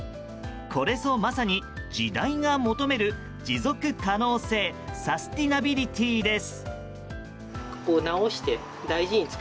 これぞまさに時代が求める持続可能性サスティナビリティーです。